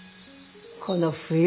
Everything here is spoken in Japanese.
この冬。